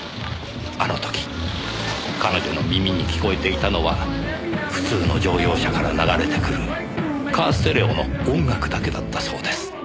あの時彼女の耳に聞こえていたのは普通の乗用車から流れてくるカーステレオの音楽だけだったそうです。